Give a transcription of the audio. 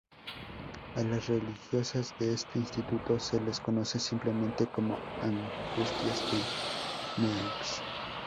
A las religiosas de este instituto se les conoce simplemente como agustinas de Meaux.